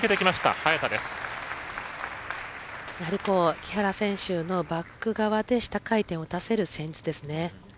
木原選手のバック側で下回転を出せる戦術ですね。